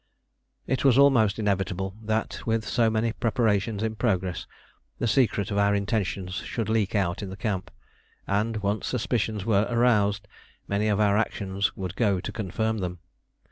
It was almost inevitable that, with so many preparations in progress, the secret of our intentions should leak out in the camp; and once suspicions were aroused many of our actions would go to confirm them.